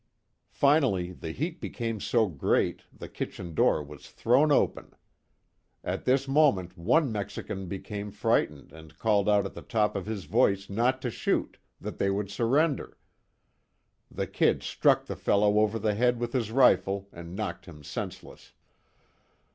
Finally the heat became so great, the kitchen door was thrown open. At this moment one Mexican became frightened and called out at the top of his voice not to shoot, that they would surrender. The "Kid" struck the fellow over the head with his rifle and knocked him senseless.